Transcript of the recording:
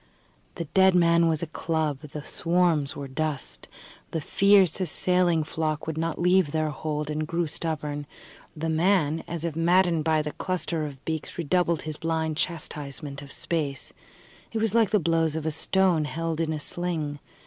The dead man was a club, the swarms were dust. The fierce, assailing flock would not leave their hold, and grew stubborn; the man, as if maddened by the cluster of beaks, redoubled his blind chastisement of space. It was like the blows of a stone held in a sling.